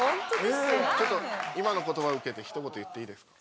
ちょっと今の言葉を受けてひと言言っていいですか？